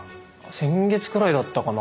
先月くらいだったかな。